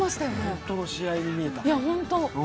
本当の試合に見えた。